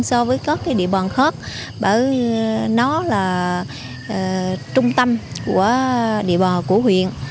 so với các cái địa bò khớp bởi nó là trung tâm của địa bò của huyện